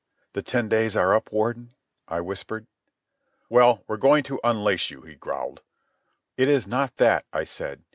"The ten days are up, Warden," I whispered. "Well, we're going to unlace you," he growled. "It is not that," I said.